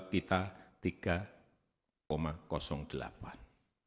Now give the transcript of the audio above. kita tiga delapan persen